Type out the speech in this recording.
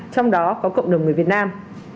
trong đó có cộng đồng người việt nam